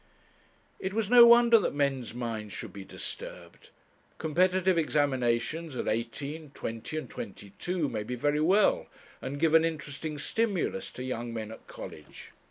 It was no wonder that men's minds should be disturbed. Competitive examinations at eighteen, twenty, and twenty two may be very well, and give an interesting stimulus to young men at college.